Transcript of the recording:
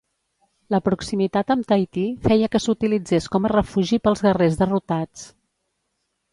La proximitat amb Tahití feia que s'utilitzés com a refugi pels guerrers derrotats.